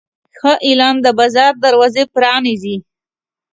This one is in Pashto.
ښه اعلان د بازار دروازې پرانیزي.